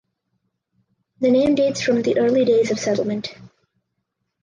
The name dates from the early days of settlement.